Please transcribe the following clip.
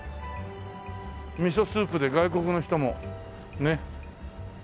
ミソスープで外国の人もねっ。